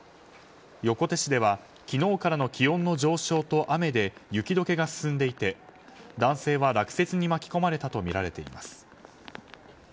横手市では昨日からの気温の上昇と雨で雪解けが進んでいて男性は落雪に巻き込まれたとみられます。